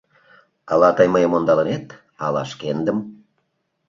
Ала тый мыйым ондалынет, ала шкендым.